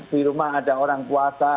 di rumah ada orang puasa